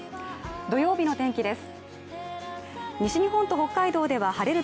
土曜日の天気です。